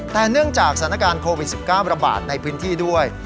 แต่เนื่องจากสถานการณ์โควิด๑๙ระบาดในพื้นที่ด้วย